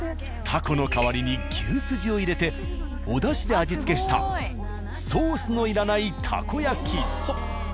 たこの代わりに牛すじを入れておだしで味付けしたソースのいらないたこ焼き。